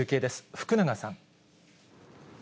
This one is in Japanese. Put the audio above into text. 福永さん。